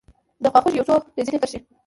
دخوا خوګۍ یو څو رزیني کرښې